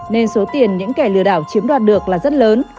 nên số tiền những kẻ lừa đảo chiếm đoạt được là rất lớn